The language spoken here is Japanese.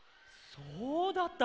そうだった。